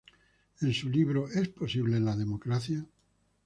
En su libro "¿Es posible la democracia?